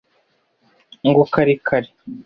ngo kare kare